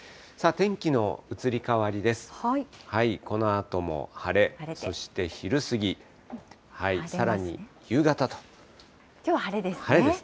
天気の移り変わりです。